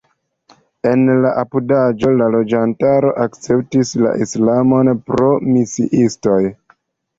En la apudaĵo la loĝantaro akceptis la islamon pro misiistoj.